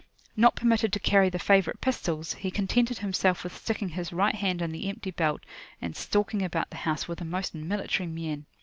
Not permitted to carry the favourite pistols, he contented himself with sticking his right hand in the empty belt, and stalking about the house with a most military mien.